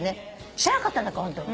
知らなかったんだからホントに。